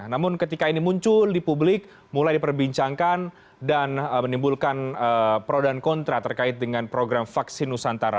namun ketika ini muncul di publik mulai diperbincangkan dan menimbulkan pro dan kontra terkait dengan program vaksin nusantara